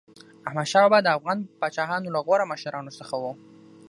احمدشاه بابا د افغان پاچاهانو له غوره مشرانو څخه و.